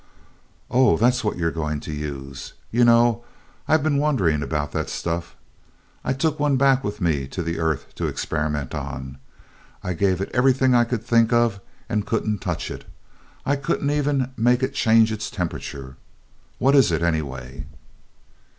"Oh, that's what you're going to use! You know, I've been wondering about that stuff. I took one back with me to the Earth to experiment on. I gave it everything I could think of and couldn't touch it. I couldn't even make it change its temperature. What is it, anyway?"